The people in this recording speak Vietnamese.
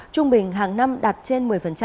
trung bình hàng năm đạt trên một mươi